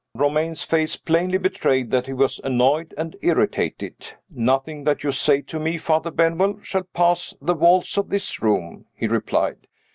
Romayne's face plainly betrayed that he was annoyed and irritated. "Nothing that you say to me, Father Benwell, shall pass the walls of this room," he replied.